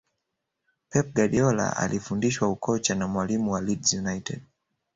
pep guardiola alifundishwa ukocha na mwalimu wa leeds united